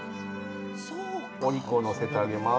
お肉を載せてあげます。